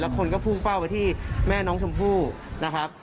คนก็พุ่งเป้าไปที่แม่น้องชมพู่นะครับ